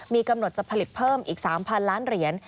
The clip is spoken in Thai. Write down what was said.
มีกำหนดจะผลิตเพิ่มอีก๓๐๐ล้านเหรียญ